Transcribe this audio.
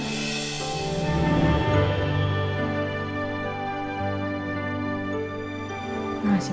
terima kasih mas